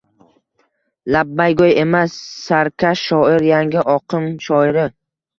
Labbaygo‘y emas. Sarkash shoir. Yangi oqim shoiri.